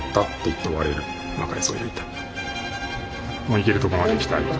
いけるとこまでいきたいと。